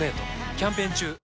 キャンペーン中